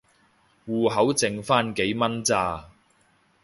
戶口剩番幾蚊咋